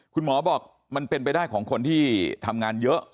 คุณหมอบอกมันเป็นไปได้ของคนที่ทำงานเยอะ